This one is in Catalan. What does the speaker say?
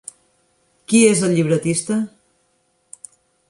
Qui és el llibretista?